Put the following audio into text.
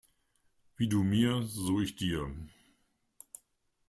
Wie du mir so ich dir.